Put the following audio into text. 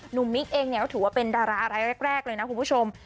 มิ๊กเองเนี่ยก็ถือว่าเป็นดารารายแรกเลยนะคุณผู้ชม